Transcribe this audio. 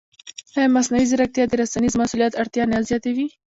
ایا مصنوعي ځیرکتیا د رسنیز مسوولیت اړتیا نه زیاتوي؟